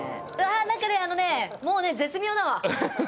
なんね、あのね、もうね、絶妙だわ。